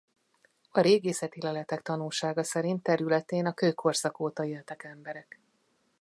A régészeti leletek tanúsága szerint területén a kőkorszak óta éltek emberek.